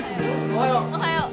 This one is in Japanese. おはよう